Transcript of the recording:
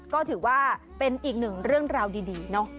ก็ถือว่าเป็นอีกหนึ่งเรื่องราวดีเนาะ